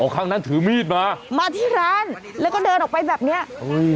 ครั้งนั้นถือมีดมามาที่ร้านแล้วก็เดินออกไปแบบเนี้ยโอ้ย